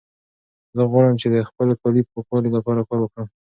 زه غواړم چې د خپل کلي د پاکوالي لپاره کار وکړم.